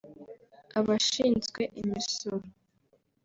abashinzwe imisoro